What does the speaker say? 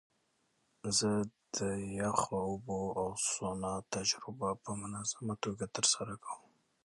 زه د یخو اوبو او سونا تجربه په منظمه توګه ترسره کوم.